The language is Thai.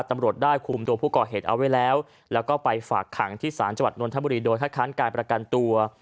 ตำรวจได้คุมตัวผู้ก่อเหตุเอาไว้แล้วแล้วก็ไปฝากขังที่ศาลจังหวัดนทบุรีโดยคัดค้านการประกันตัว